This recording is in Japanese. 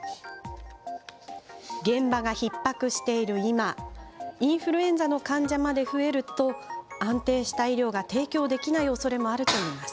現場がひっ迫している今インフルエンザの患者まで増えると安定した医療が提供できないおそれもあるといいます。